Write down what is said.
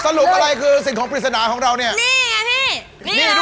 สรุปอะไรคือสิ่งของพิสนาของเรานี่